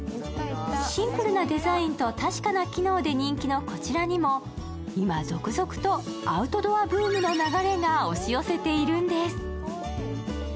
シンプルなデザインと確かな機能で人気のこちらにも今続々とアウトドアブームの流れが押し寄せているんです。